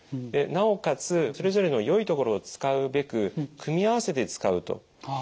でなおかつそれぞれの良いところを使うべく組み合わせて使うと。